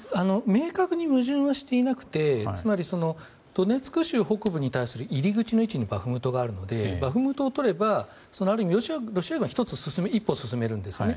明確に矛盾はしていなくてドネツク州北部に対する入り口の位置にバフムトがあるのでバフムトをとれば、ある意味ロシア軍は一歩進めるんですね。